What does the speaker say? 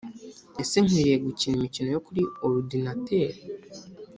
Ese nkwiriye gukina imikino yo kuri orudinateri